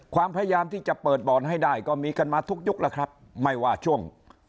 ความพยายามที่จะเปิดบ่อนให้ได้ก็มีกันมาทุกยุคแล้วครับไม่ว่าช่วง